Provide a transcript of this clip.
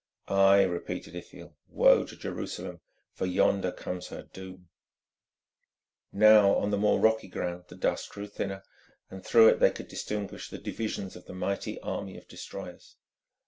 "Aye!" repeated Ithiel, "woe to Jerusalem, for yonder comes her doom." Now on the more rocky ground the dust grew thinner, and through it they could distinguish the divisions of the mighty army of destroyers.